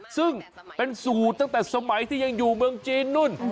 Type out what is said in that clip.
ซึ่งเป็นสูตรตั้งแต่สมัยที่ยังอยู่เมืองจีนนู่น